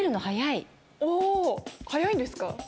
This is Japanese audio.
早いんですか？